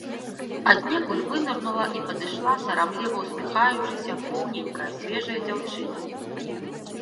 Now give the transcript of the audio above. Аднекуль вынырнула і падышла, сарамліва ўсміхаючыся, поўненькая свежая дзяўчына.